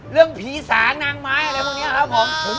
เรื่องผีสางนางไม้อะไรพวกนี้ครับผม